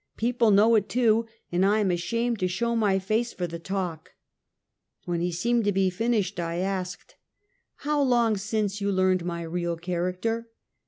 People know it, too, and I am ashamed to show my face for the talk." When he seemed to have finished, I asked: " How long since you learned my real character?"